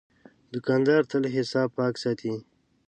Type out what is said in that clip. دوکاندار تل حساب پاک ساتي.